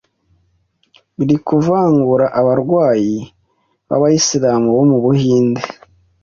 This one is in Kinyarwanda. biri kuvangura abarwayi b’abayislam bo mu buhinde